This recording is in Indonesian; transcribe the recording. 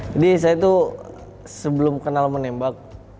jadi saya itu sebelum kenal menembak